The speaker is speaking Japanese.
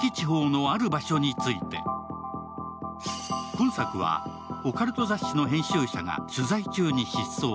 今作はオカルト雑誌の編集者が取材中に失踪。